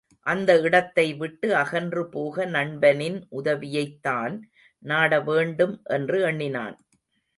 அந்த இடத்தை விட்டு அகன்று போக நண்பனின் உதவியைத் தான் நாடவேண்டும் என்று எண்ணினான்.